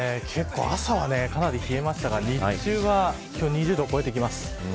朝はかなり冷えましたが日中は２０度を超えてきます。